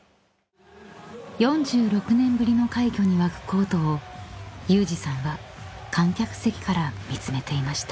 ［４６年ぶりの快挙に沸くコートを有志さんは観客席から見つめていました］